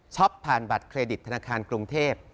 ผ่านบัตรเครดิตธนาคารกรุงเทพ